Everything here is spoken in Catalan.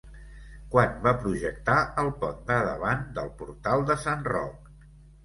Quan va projectar el pont de davant del Portal de Sant Roc?